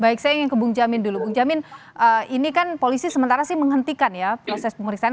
ibu njamin dulu ibu njamin ini kan polisi sementara sih menghentikan ya proses pemeriksaan